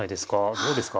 どうですか？